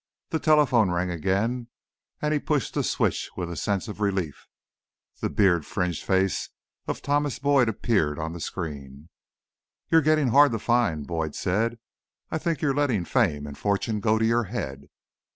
The telephone rang again and he pushed the switch with a sense of relief. The beard fringed face of Thomas Boyd appeared on the screen. "You're getting hard to find," Boyd said. "I think you're letting fame and fortune go to your head."